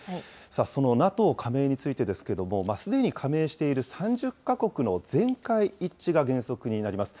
そのＮＡＴＯ加盟についてですけれども、すでに加盟している３０か国の全会一致が原則になります。